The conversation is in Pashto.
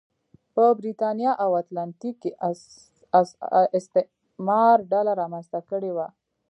په برېتانیا او اتلانتیک کې استعمار ډله رامنځته کړې وه.